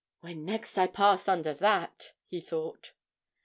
'When next I pass under that!' he thought.